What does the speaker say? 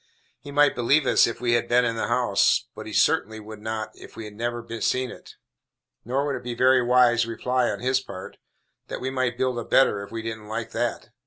He might believe us, if we had been in the house, but he certainly would not, if we had never seen it. Nor would it be a very wise reply upon his part, that we might build a better if we didn't like that.